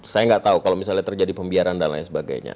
saya nggak tahu kalau misalnya terjadi pembiaran dan lain sebagainya